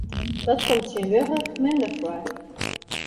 Dat komt tsjintwurdich minder foar.